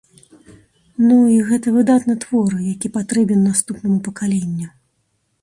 Ну, і гэта выдатны твор, які патрэбен наступнаму пакаленню.